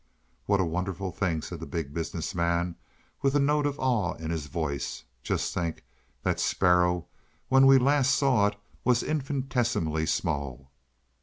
"What a wonderful thing!" said the Big Business Man, with a note of awe in his voice. "Just think that sparrow when we last saw it was infinitesimally small."